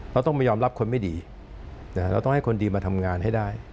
เราต้องไม่ยอมรับคนไม่ดีเราต้องให้คนดีมาทำงานให้ได้